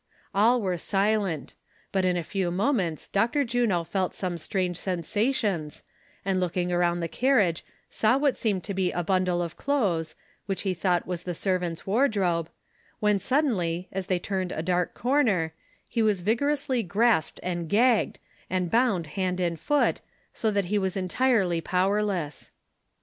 All were silent ; but in a few moments Dr. Juno felt some strange sensations, and looking around the carriage saw what seemed to be a bundle of clothes, which he thought was the servant's wardrobe, when suddenly, as they turned a dark corner, he was vigorously grasped and gagged, and bound hand and foot, so that he was entirely powerless.